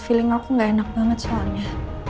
feeling aku gak enak banget soalnya